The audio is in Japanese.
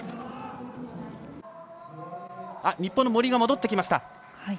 日本の森、戻ってきました。